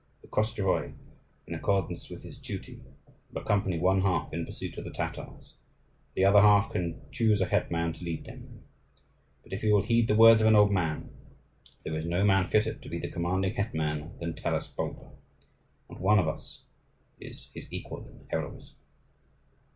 The Koschevoi, in accordance with his duty, will accompany one half in pursuit of the Tatars, and the other half can choose a hetman to lead them. But if you will heed the words of an old man, there is no man fitter to be the commanding hetman than Taras Bulba. Not one of us is his equal in heroism."